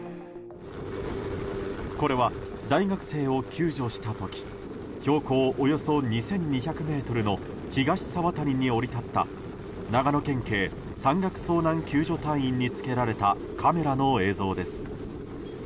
これは、大学生を救助した時標高およそ２２００ｍの東沢谷に降り立った長野県警山岳遭難救助隊員に着けられたカメラの映像です。